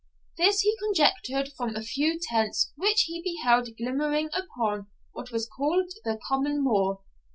This he conjectured from a few tents which he beheld glimmering upon what was called the Common Moor.